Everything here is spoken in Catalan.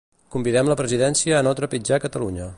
“Convidem la presidència a no trepitjar Catalunya”.